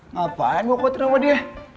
ngapain gue kotor sama dia